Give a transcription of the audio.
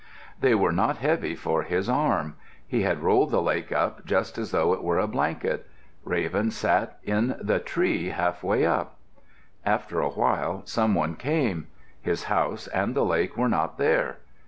They were not heavy for his arm. He had rolled the lake up just as though it were a blanket. Raven sat in the tree half way up. After a while some one came. His house and the lake were not there.